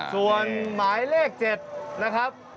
ส่วนหมายเลข๗นะครับ